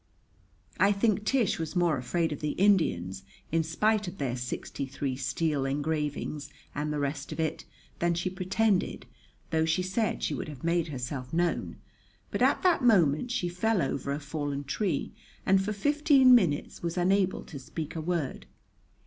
I think Tish was more afraid of the Indians, in spite of their sixty three steel engravings and the rest of it, than she pretended, though she said she would have made herself known, but at that moment she fell over a fallen tree and for fifteen minutes was unable to speak a word.